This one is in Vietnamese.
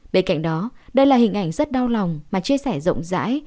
bên cạnh đó đây là hình ảnh rất đau lòng mà chia sẻ rộng rãi